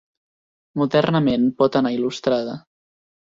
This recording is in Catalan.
Modernament pot anar il·lustrada.